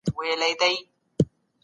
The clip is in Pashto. روغتيايي خدمات بايد پراخ سي.